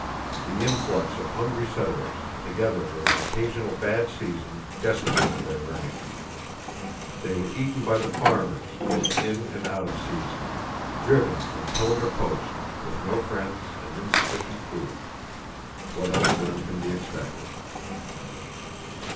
The influx of hungry settlers, [Page 48] together with an occasional bad season, decimated their ranks. They were eaten by the farmers, both in and out of season. Driven from pillar to post, with no friends and insufficient food,—what else then can be expected?"